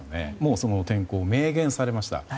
その転向を明言されました。